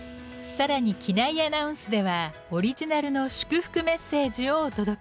さらに機内アナウンスではオリジナルの祝福メッセージをお届け！